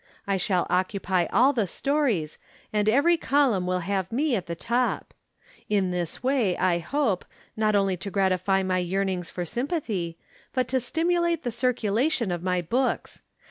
I shall occupy all the stories, and every column will have me at the top. In this way I hope, not only to gratify my yearnings for sympathy, but to stimulate the circulation of my books.